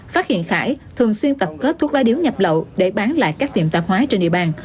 phát hiện phải thường xuyên tập kết thuốc lá điếu nhập lậu để bán lại các tiệm tạp hóa trên địa bàn